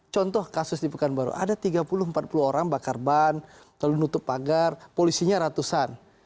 contoh kasus di pekanbaru ada tiga puluh empat puluh orang bakar ban lalu nutup pagar polisinya ratusan